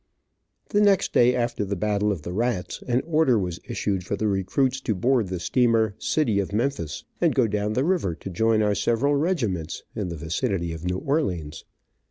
The next day after the battle of the rats, an order was issued for the recruits to board the steamer "City of Memphis," and go down the river to join our several regiments, in the vicinity of New Orleans.